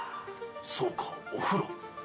そうかお風呂。